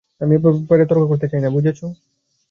আমি এ ব্যাপারে তর্ক করতে চাই না, বুঝেছ?